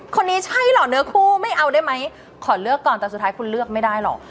คนนี้ใช่เหรอเนื้อคู่ไม่เอาได้ไหมขอเลือกก่อนแต่สุดท้ายคุณเลือกไม่ได้หรอก